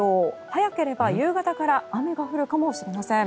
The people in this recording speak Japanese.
早ければ夕方から雨が降るかもしれません。